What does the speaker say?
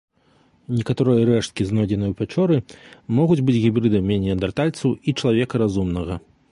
Некаторыя рэшткі, знойдзеныя ў пячоры, могуць быць гібрыдамі неандэртальцаў і чалавека разумнага.